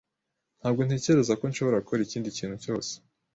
Ntabwo ntekereza ko nshobora gukora ikindi kintu cyose.